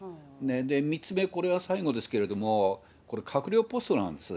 ３つ目、これは最後ですけれども、これ閣僚ポストなんです。